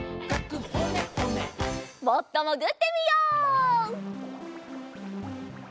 もっともぐってみよう。